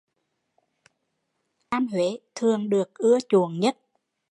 Bình loại men lam Huế thường được ưa chuộng nhất